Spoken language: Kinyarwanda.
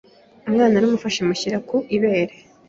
Umwana naramufashe mushyira ku ibere